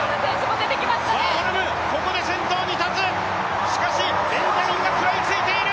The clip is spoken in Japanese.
ワーホルム、ここで先頭に立つ、しかしベンジャミンが食らいついている。